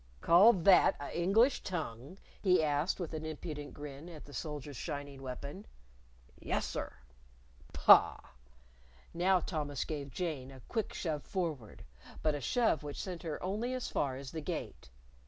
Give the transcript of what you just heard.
"Call that a' English tongue?" he asked, with an impudent grin at the soldier's shining weapon. "Yes, sir." "Pah!" Now Thomas gave Jane a quick shove forward but a shove which sent her only as far as the Gate.